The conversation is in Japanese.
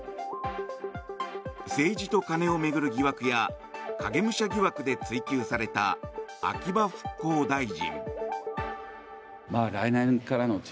政治と金を巡る疑惑や影武者疑惑で追及された秋葉復興大臣。